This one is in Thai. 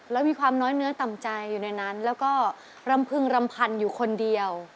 แล้วมีความน้อยเนื้อต่ำใจอยู่ในนั้นแล้วก็รำพึงรำพันอยู่คนเดียว